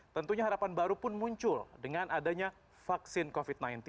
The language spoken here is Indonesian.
tentunya harapan baru pun muncul dengan adanya vaksin covid sembilan belas